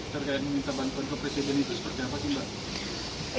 terkait meminta bantuan ke presiden itu seperti apa sih mbak